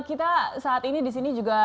kita saat ini disini juga